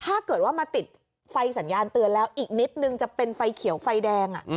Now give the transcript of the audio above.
ถ้าเกิดว่ามาติดไฟสัญญาณเตือนแล้วอีกนิดนึงจะเป็นไฟเขียวไฟแดง